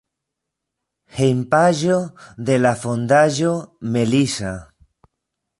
Hejmpaĝo de la Fondaĵo "Melissa".